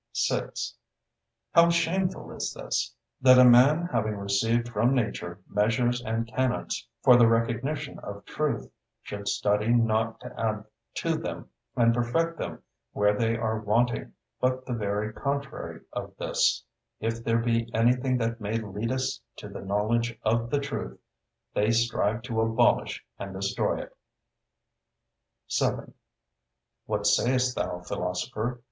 6. How shameful is this! that a man having received from Nature measures and canons for the recognition of truth, should study not to add to them and perfect them where they are wanting, but the very contrary of this; if there be anything that may lead us to the knowledge of the truth, they strive to abolish and destroy it. 7. What sayest thou, philosopher?